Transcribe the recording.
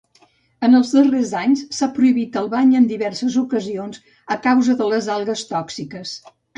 En els darrers anys, s'ha prohibit el bany en diverses ocasions a causa de les algues tòxiques.